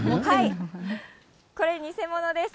これ、偽物です。